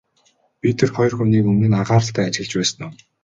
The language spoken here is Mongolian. Би тэр хоёр хүнийг өмнө нь анхааралтай ажиглаж байсан уу?